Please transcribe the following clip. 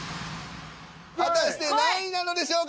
果たして何位なのでしょうか？